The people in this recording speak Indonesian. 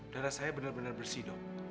darah saya benar benar bersih dong